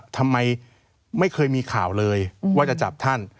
ทำไมไม่เคยมีข่าวเลยว่าจะจับท่าน